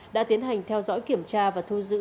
đã tiến hành theo dõi kiểm tra và thu giữ